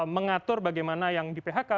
mengatur bagaimana yang di phk